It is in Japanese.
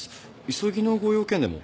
急ぎのご用件でも？